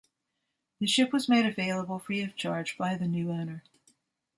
The ship was made available free of charge by the new owner.